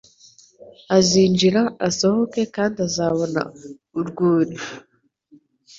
azinjira asohoke kandi azabona urwuri."